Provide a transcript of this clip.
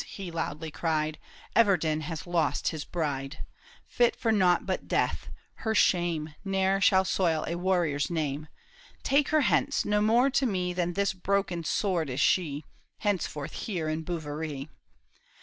he loudly cried, '''" Everden has lost his bride ; Fit for nought but death, — her shame Ne'er shall soil a warrior's name. Take her hence ; no more to me Than this broken sword is she, 23 24 THE TOWER OF BOUVERIE. Henceforth here m Bouverie."